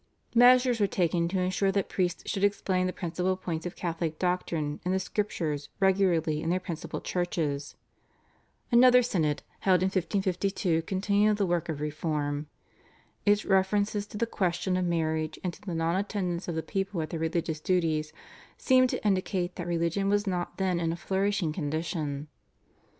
Measures were taken to ensure that priests should explain the principal points of Catholic doctrine and the Scriptures regularly in their principal churches. Another synod held in 1552 continued the work of reform. Its references to the question of marriage and to the non attendance of the people at their religious duties seem to indicate that religion was not then in a flourishing condition.